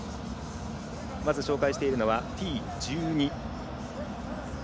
まず紹介しているのはＴ１２。